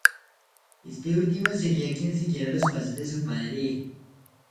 Este último sería quien siguiera los pasos de su padre.